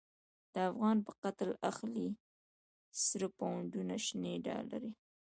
د افغان په قتل اخلی، سره پونډونه شنی ډالری